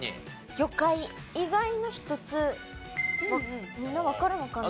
魚介以外の１つはみんなわかるのかな？